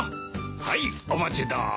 はいお待ちどお。